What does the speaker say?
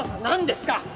何ですか？